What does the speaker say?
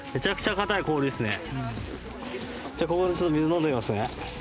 じゃあここでちょっと水飲んでみますね。